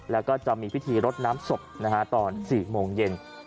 แล้วก็จะมีพิธีรดน้ำศพตอน๔โมงเย็น